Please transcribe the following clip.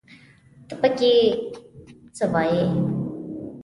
ته پکې څه مه وايه